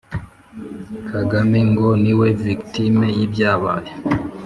Kagame ngo niwe victime w'ibyabaye.